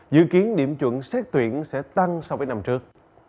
dự kiến điểm chuẩn xét tuyển sẽ tăng so với năm trước